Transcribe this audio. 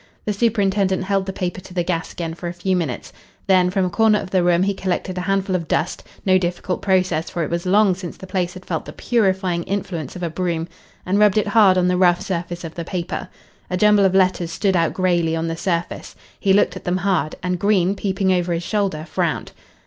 The superintendent held the paper to the gas again for a few minutes. Then from a corner of the room he collected a handful of dust no difficult process, for it was long since the place had felt the purifying influence of a broom and rubbed it hard on the rough surface of the paper. A jumble of letters stood out greyly on the surface. He looked at them hard, and Green, peeping over his shoulder, frowned.